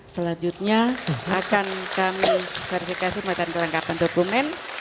selanjutnya akan kami verifikasi perlengkapan dokumen